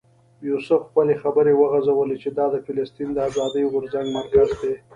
یوسف خپلې خبرې وغځولې چې دا د فلسطین د آزادۍ غورځنګ مرکز دی.